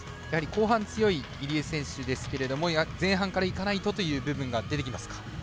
後半強い入江選手ですけども前半からいかないとという部分が出てきますか。